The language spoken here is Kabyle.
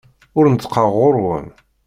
Ur neṭṭqeɣ ɣer-wen.